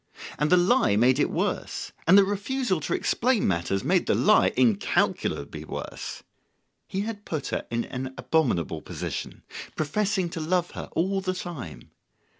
And the lie made it worse; and the refusal to explain matters made the lie incalculably worse. He had put her in an abominable position, professing to love her all the time.